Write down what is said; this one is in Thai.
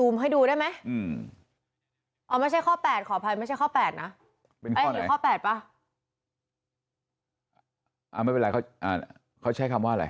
ไม่เป็นไรเขาใช้คำว่าอะไร